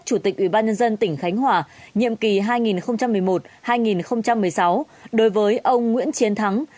chủ tịch ủy ban nhân dân tỉnh khánh hòa nhiệm kỳ hai nghìn một mươi một hai nghìn một mươi sáu đối với ông nguyễn chiến thắng